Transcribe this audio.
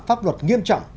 pháp luật nghiêm trọng